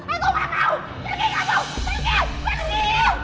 aku gak mau pergi kamu pergi